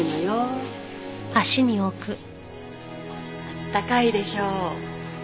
あったかいでしょう？